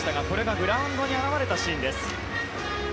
グラウンドに現れたシーンです。